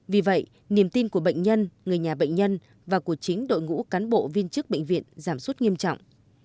vì vậy niềm tin của bệnh nhân người nhà bệnh nhân và của chính đội ngũ cán bộ viên chức bệnh viện giảm sút nghiêm trọng